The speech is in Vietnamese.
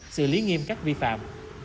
xử lý nghiêm các vi phạm